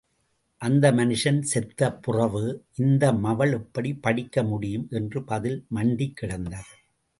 அந்த மனுஷன் செத்த பிறவு இந்த மவள் எப்படிப் படிக்க முடியும்? என்ற பதில் மண்டிக் கிடந்தது.